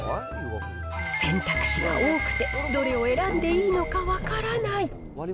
選択肢が多くて、どれを選んでいいのか分からない。